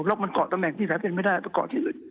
แล้วมันเกาะตำแหน่งที่แพ้เป็นไม่ได้ไปเกาะที่อื่น